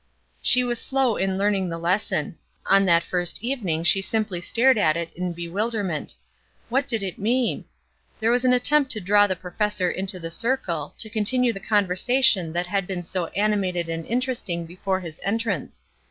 She was slow in learning the lesson: on that first evening she simply stared at it in bewilderment. What did it mean? There was an attempt to draw the professor into the circle, to continue the conversation that had been so animated and interesting before his entrance.